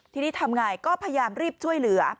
ทีนี้ทำไงก็พยายามรีบช่วยเหลือ